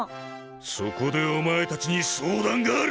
そこでおまえたちに相談がある！